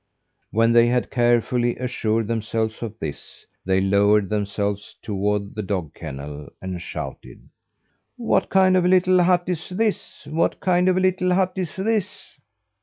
When they had carefully assured themselves of this, they lowered themselves toward the dog kennel, and shouted: "What kind of a little hut is this? What kind of a little hut is this?"